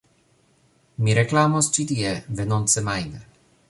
Mi reklamos ĉi tie venontsemajne